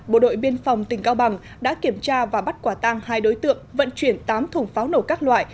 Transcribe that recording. bộ đội biên phòng tỉnh cao bằng đã kiểm tra và bắt quả tăng hai đối tượng vận chuyển tám thùng pháo nổ các loại